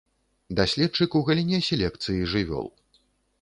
Даследчык у галіне селекцыі жывёл.